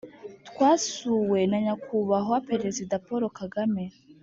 Twasuwe na nyakubahwa perezida Paul Kagame